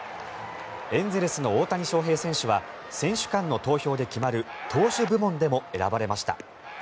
エンゼルスの大谷翔平選手は選手間の投票で決まる投手部門でも選ばれました。